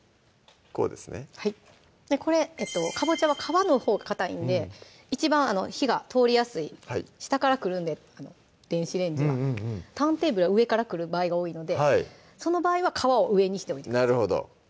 こうですねでこれかぼちゃは皮のほうがかたいんで一番火が通りやすい下から来るんで電子レンジはターンテーブルは上から来る場合が多いのでその場合は皮を上にして置いてください